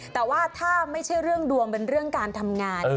แต่ว่าถ้าไม่ใช่เรื่องดวงเป็นเรื่องการทำงาน